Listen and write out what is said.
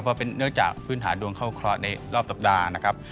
เพราะเนื่องจากพื้นฐานดวงเข้าเคราะห์ในรอบสัปดาห์นะครับ